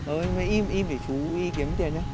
ờ nhưng mà im im để chú ý kiếm tiền nhé